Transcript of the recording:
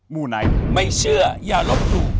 มูไนท์ไม่เชื่ออย่าลบหลู่